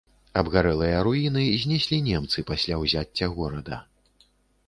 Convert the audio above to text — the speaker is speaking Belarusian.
Абгарэлыя руіны знеслі немцы пасля ўзяцця горада.